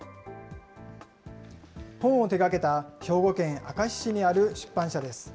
本を手がけた兵庫県明石市にある出版社です。